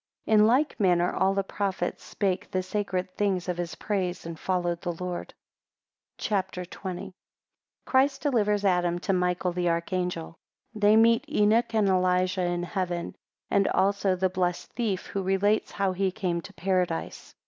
18 In like manner all the prophets spake the sacred things of his praise, and followed the Lord. CHAPTER XX. 1 Christ delivers Adam to Michael the archangel. 3 They meet Enoch and Elijah in heaven, 5 and also the blessed thief, who relates how he came to Paradise.